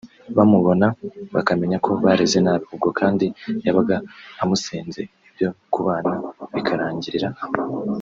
bamubona bakamenya ko bareze nabi; ubwo kandi yabaga amusenze ibyo kubana bikarangirira aho